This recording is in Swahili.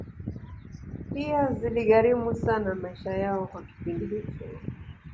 Pia ziligharimu sana maisha yao kwa kipindi hicho